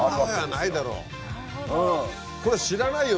はい。